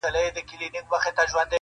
هغه چوپ ناست وي تل,